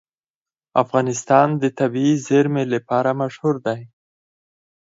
افغانستان د طبیعي زیرمې لپاره مشهور دی.